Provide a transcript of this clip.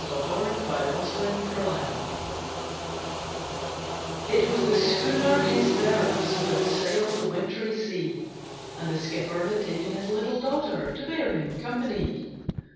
THE WRECK OF THE HESPERUS It was the schooner Hesperus, That sailed the wintry sea; And the skipper had taken his little daughter, To bear him company.